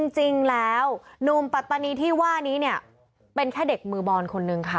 จริงแล้วหนุ่มปัตตานีที่ว่านี้เนี่ยเป็นแค่เด็กมือบอลคนนึงค่ะ